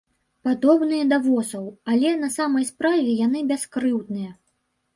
Падобныя да восаў, але на самай справе яны бяскрыўдныя.